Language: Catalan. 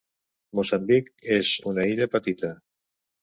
Moçambic és una illa petita.